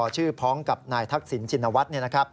ชื่อพร้อมกับนายทักษิณชินวัฒน์